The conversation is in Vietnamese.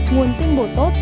nguồn tinh bột tốt